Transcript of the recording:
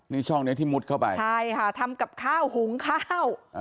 นี่ช่องนี้ที่มุดเข้าไปใช่ค่ะทำกับข้าวหุงข้าว